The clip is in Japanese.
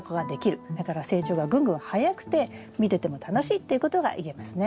だから成長がぐんぐん早くて見てても楽しいっていうことが言えますね。